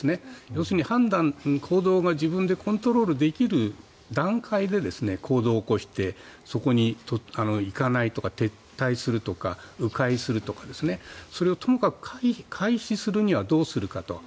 要するに行動が自分でコントロールできる段階で行動を起こしてそこに行かないとか撤退するとか、迂回するとかそれをとにかく回避するにはどうするかと。